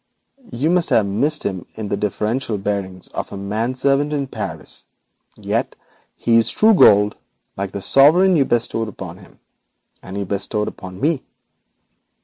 You must have missed in him the deferential bearing of a man servant in Paris, yet he is true gold, like the sovereign you bestowed upon him, and he bestowed upon me.